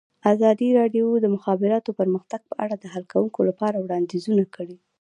ازادي راډیو د د مخابراتو پرمختګ په اړه د حل کولو لپاره وړاندیزونه کړي.